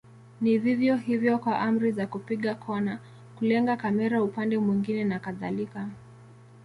Ni vivyo hivyo kwa amri za kupiga kona, kulenga kamera upande mwingine na kadhalika.